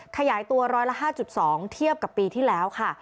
ขยายตัวร้อยละ๕๒เทียบกับปีที่แล้วค่ะ